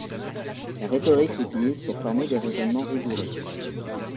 La rhétorique l'utilise pour former des raisonnements rigoureux.